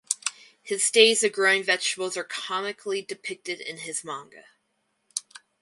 His days of growing vegetables are comically depicted in his manga.